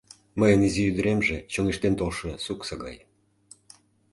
Мыйын изи ӱдыремже — чоҥештен толшо суксо гай.